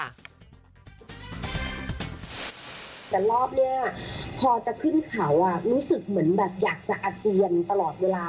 แต่รอบนี้พอจะขึ้นเขารู้สึกเหมือนแบบอยากจะอาเจียนตลอดเวลา